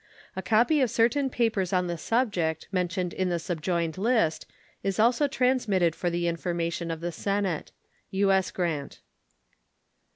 A copy of certain papers on the subject, mentioned in the subjoined list, is also transmitted for the information of the Senate. U.S. GRANT.